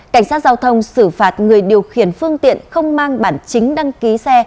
cảnh sát giao thông xử phạt người điều khiển phương tiện không mang bản chính đăng ký xe